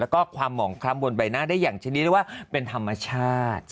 แล้วก็ความหมองคล้ำบนใบหน้าได้อย่างชนิดได้ว่าเป็นธรรมชาติ